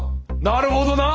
なるほどな！